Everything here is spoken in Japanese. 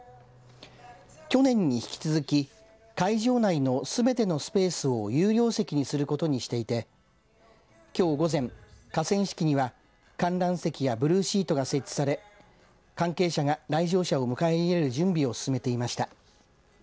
去年に引き続き会場内のすべてのスペースを有料席にすることにしていてきょう午前河川敷には観覧席やブルーシートが設置され関係者が来場者を迎え入れる準備を進めていました。